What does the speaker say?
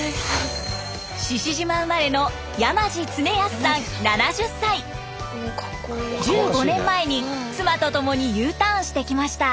志々島生まれの１５年前に妻と共にＵターンしてきました。